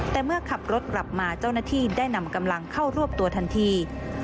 แต่เมื่อขับรถกลับมาเจ้าหน้าที่ได้นำกำลังเข้ารวบตัวทันที